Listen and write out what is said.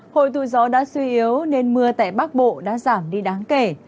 hồi tù gió đã suy yếu nên mưa tại bắc bộ đã giảm đi đáng kể